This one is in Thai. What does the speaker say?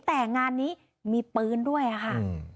แต่งานนี้มีปืนด้วยค่ะ